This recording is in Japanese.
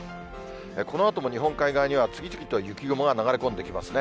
このあとも日本海側には次々と雪雲が流れ込んできますね。